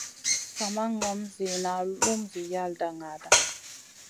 Sa ma ŋom ziyna lum zi yalda naaɗa.